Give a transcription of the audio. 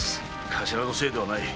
頭のせいではない。